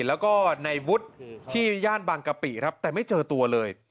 แล้วก็ในวุฒิที่ย่านบางกะปิครับแต่ไม่เจอตัวเลย